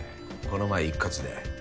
この前一括で。